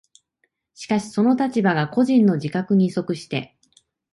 しかしその立場が個人の自覚に即して